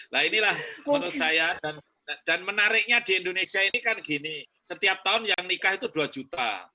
nah inilah menurut saya dan menariknya di indonesia ini kan gini setiap tahun yang nikah itu dua juta